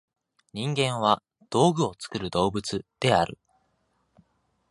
人間は「道具を作る動物」である。